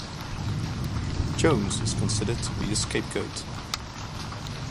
Jones is considered to be a scapegoat.